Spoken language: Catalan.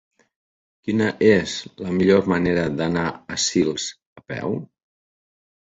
Quina és la millor manera d'anar a Sils a peu?